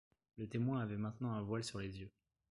Le témoin avait maintenant un voile sur les yeux.